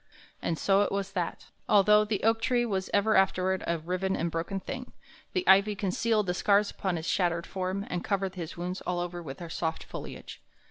And so it was that, although the oak tree was ever afterward a riven and broken thing, the ivy concealed the scars upon his shattered form and covered his wounds all over with her soft foliage.